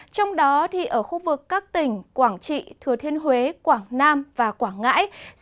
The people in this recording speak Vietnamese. trong đó ở khu vực các tỉnh quảng trị thừa thiên huế quảng nam và quảng ngãi